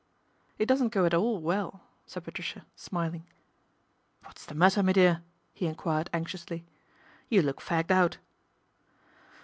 ' It doesn't go at all well," said Patricia, miling. " What's the matter, me dear ?" he enquired Anxiously. " You look fagged out."